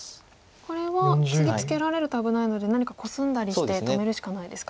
これは次ツケられると危ないので何かコスんだりして止めるしかないですか。